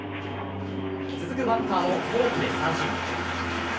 続くバッターもフォークで三振。